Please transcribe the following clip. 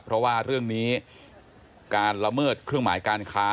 เพราะว่าเรื่องนี้การละเมิดเครื่องหมายการค้า